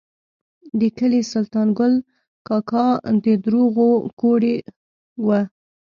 د کلي سلطان ګل کاکا د دروغو ګوډی و.